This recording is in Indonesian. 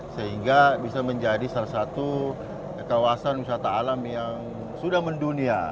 sehingga bisa menjadi salah satu kawasan wisata alam yang sudah mendunia